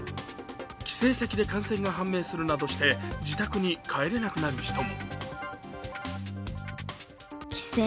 帰省先で感染が判明するなどして自宅に帰れなくなる人も。